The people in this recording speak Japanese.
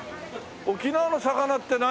沖縄の魚って何？